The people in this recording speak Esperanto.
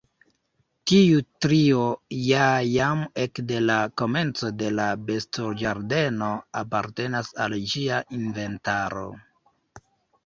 Tiu trio ja jam ekde la komenco de la bestoĝardeno apartenas al ĝia inventaro.